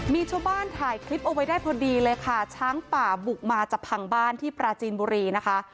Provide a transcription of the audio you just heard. มีชาวบ้านถ่ายคลิปเอาไว้ได้พอดีเลยค่ะช้างป่าบุกมาจะพังบ้านที่ปราจีนบุรีนะคะ